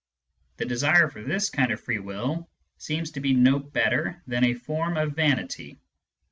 The desire for this kind of free will seems to be no better than a form of vanity.